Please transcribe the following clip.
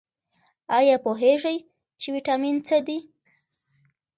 ایا پوهیږئ چې ویټامین څه دي؟